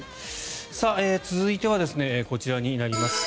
続いてはこちらになります。